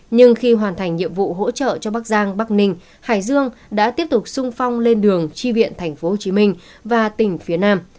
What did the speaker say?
nhưng khi hoàn thành nhiệm vụ hỗ trợ cho bắc giang bắc ninh hải dương đã tiếp tục sung phong lên đường chi viện tp hcm và tỉnh phía nam